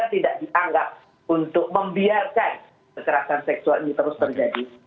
tidak dianggap untuk membiarkan kekerasan seksual ini terus terjadi